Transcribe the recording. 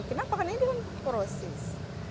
kenapa karena ini kan korosis